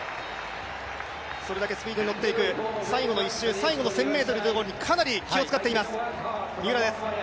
それだけスピードに乗っていく、最後の１周、最後の１０００ｍにかなり気を遣っています、三浦です。